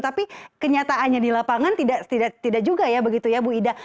tapi kenyataannya di lapangan tidak juga ya begitu ya bu ida